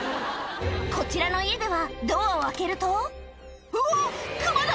こちらの家ではドアを開けると「うわクマだ！